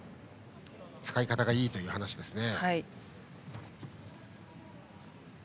使い方がいいという話でした。